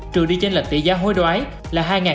trừ đi trên lệch tỷ giá hối đoái là hai